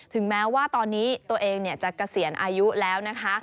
ถึงแม้ว่าตอนนี้ตัวเองจะเกษียณอายุแล้วนะคะ